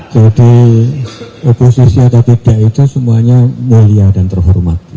jadi oposisi atau tidak itu semuanya mulia dan terhormat